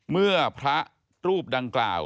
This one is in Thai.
เมื่อพระรูปดังกล่าว